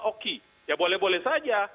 oke ya boleh boleh saja